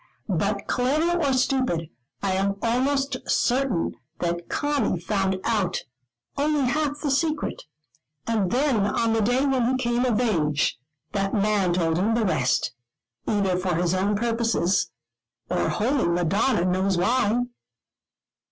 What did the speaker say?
But, clever or stupid, I am almost certain that Conny found out only half the secret; and then on the day when he came of age, that man told him the rest, either for his own purposes, or holy Madonna knows why."